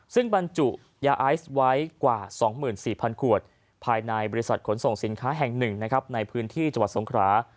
ซึ่งบรรจุยาไอซ์ไว้กว่า๒๔๐๐ขวดภายในบริษัทขนส่งสินค้าแห่งหนึ่งนะครับในพื้นที่จังหวัดสงครา